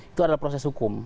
itu adalah proses hukum